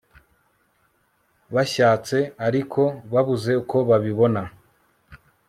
bashyatse ariko babuze uko babibona